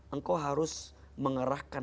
engkau harus mengerahkan